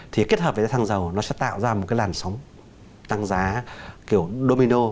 thì kết hợp với xăng dầu nó sẽ tạo ra một cái làn sóng tăng giá kiểu domino